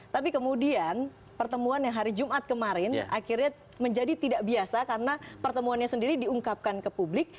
tapi kemudian pertemuan yang hari jumat kemarin akhirnya menjadi tidak biasa karena pertemuannya sendiri diungkapkan ke publik